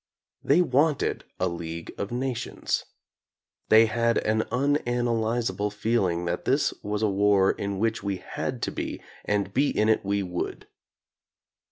They wanted a League of Nations. They had an unanalyzable feeling that this was a war in which we had to be, and be in it we would.